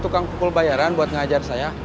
tukang pukul bayaran buat ngajar saya